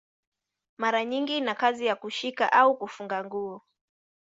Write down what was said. Mara nyingi ina kazi ya kushika au kufunga nguo.